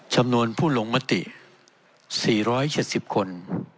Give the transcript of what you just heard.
จำนวนผู้ลงมติ๔๗๐คน